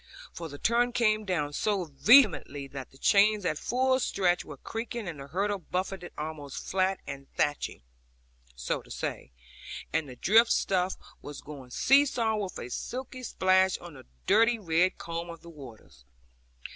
For the torrent came down so vehemently that the chains at full stretch were creaking, and the hurdle buffeted almost flat, and thatched (so to say) with the drift stuff, was going see saw, with a sulky splash on the dirty red comb of the waters.